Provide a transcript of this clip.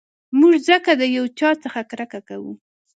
موږ ځکه د یو چا څخه کرکه کوو.